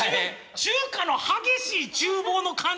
中華の激しいちゅう房の感じ？